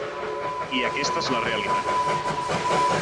I aquesta és la realitat.